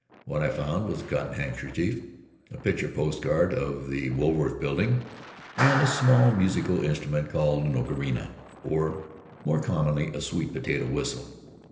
What I found was a cotton handkerchief, a picture post card of the Wool worth Building, and a small musical instrument called an ocharina, or, more commonly, a sweet potato whistle.